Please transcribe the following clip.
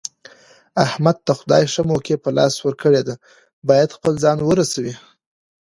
احمد ته خدای ښه موقع په لاس ورکړې ده، باید خپل ځان ورسوي.